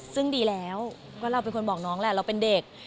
ซึ่งดีแล้วก็เราเป็นคนบอกน้องแหละเราเป็นเด็ก